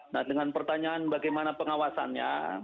nah dengan pertanyaan bagaimana pengawasannya